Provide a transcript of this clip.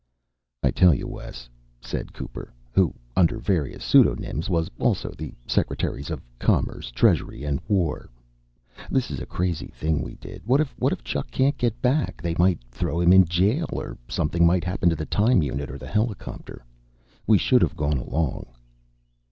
"I tell you, Wes," said Cooper, who, under various pseudonyms, was also the secretaries of commerce, treasury and war, "this is a crazy thing we did. What if Chuck can't get back? They might throw him in jail or something might happen to the time unit or the helicopter. We should have gone along."